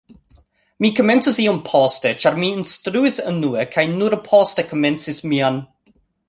Mi komencis iom poste ĉar mi instruis unue kaj nur poste komencis mian